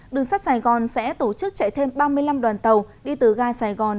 đường sắt sài gòn sẽ tổ chức chạy thêm ba mươi năm đoàn tàu đi từ ga sài gòn